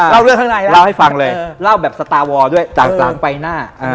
เล่าเรื่องข้างในเล่าให้ฟังเลยเล่าแบบสตาร์วอร์ด้วยจากกลางใบหน้า